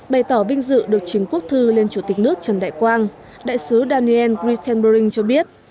bày tỏ vinh dự được chính quốc thư lên chủ tịch nước trần đại quang đại sứ daniel christenbering cho biết